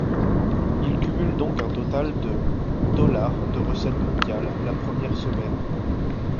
Il cumule donc un total de dollars de recettes mondiales la première semaine.